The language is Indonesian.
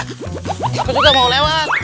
gue juga mau lewat